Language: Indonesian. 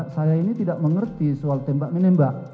saya ini tidak mengerti soal tembak menembak